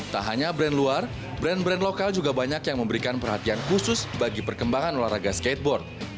tak hanya brand luar brand brand lokal juga banyak yang memberikan perhatian khusus bagi perkembangan olahraga skateboard